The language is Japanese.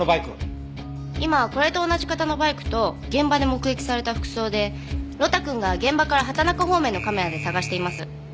今これと同じ型のバイクと現場で目撃された服装で呂太くんが現場から畑中方面のカメラで捜しています。